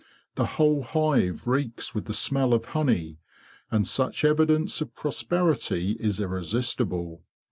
The whole hive reeks with the smell of honey, and such evidence of prosperity is irresistible.